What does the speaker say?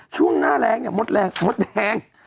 ช่วงหน้าแรงมดแดง